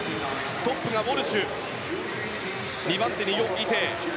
トップがウォルシュ２番手、ヨ・イテイ。